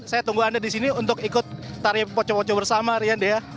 saya tunggu anda di sini untuk ikut tarian poco poco bersama rian dea